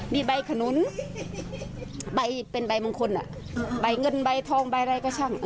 มีใบขนุนใบเป็นใบมงคลใบเงินใบทองใบอะไรก็ช่าง